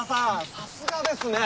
さすがですね！